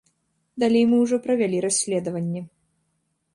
Далей мы ўжо правялі расследаванне.